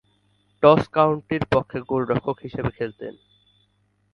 Toss কাউন্টির পক্ষে গোলরক্ষক হিসেবে খেলতেন।